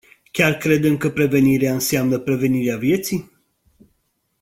Chiar credem că prevenirea înseamnă prevenirea vieții?